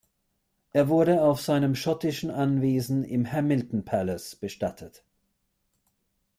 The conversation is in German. Er wurde auf seinem schottischen Anwesen im Hamilton Palace bestattet.